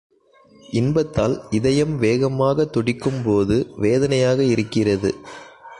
இன்பத்தால் இதயம் வேகமாகத் துடிக்கும் போது வேதனையாக இருக்கிறது.